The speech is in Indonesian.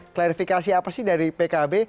klarifikasi apa sih dari pkb